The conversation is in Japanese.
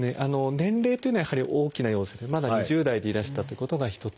年齢というのはやはり大きな要素でまだ２０代でいらしたということが一つ。